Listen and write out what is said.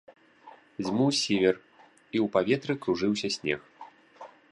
Дзьмуў сівер, і ў паветры кружыўся снег.